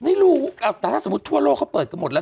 ไม่รู้อย่างสมมุติทั่วโลกเขาเปิดหมดแล้ว